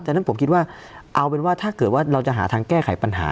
ฉะนั้นผมคิดว่าเอาเป็นว่าถ้าเกิดว่าเราจะหาทางแก้ไขปัญหา